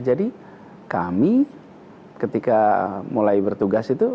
jadi kami ketika mulai bertugas itu